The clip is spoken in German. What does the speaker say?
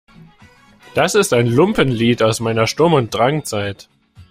Das ist ein Lumpenlied aus meiner Sturm- und Drangzeit.